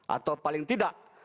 atau paling tidak